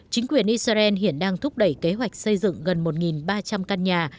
chính quyền israel hiện đang thúc đẩy kế hoạch xây dựng gần một ba trăm linh căn nhà